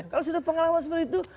kalau sudah pengalaman seperti itu